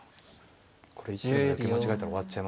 これ一挙に受け間違えたら終わっちゃいますね。